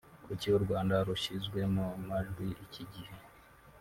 kuki U Rwanda rushyizwe mu majwi iki gihe